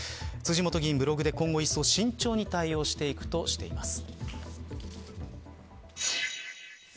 辻元議員、ブログで今後一層慎重に対応していくとしています。